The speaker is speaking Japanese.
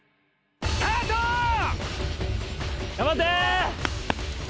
頑張って！